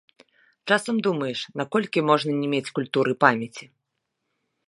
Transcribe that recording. Часам думаеш, наколькі можна не мець культуры памяці?